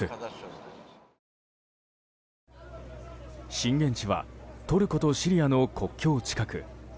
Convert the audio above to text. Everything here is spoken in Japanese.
震源地はトルコとシリアの国境近く。